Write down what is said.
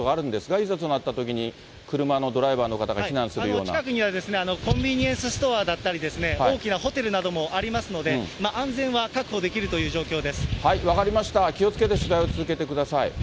いざとなったときに、車のドライ近くにはコンビニエンスストアだったり、大きなホテルなどもありますので、安全は確保できる分かりました、気をつけて取材を続けてください。